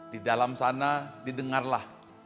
di dalam sana didengarlah